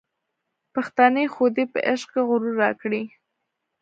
پښتنې خودۍ په عشق کي غرور راکړی